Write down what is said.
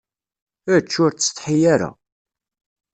Ečč, ur ttsetḥi ara.